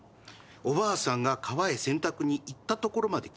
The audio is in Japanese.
おばあさんが川へ洗濯に行ったところまで聞いたんだよね。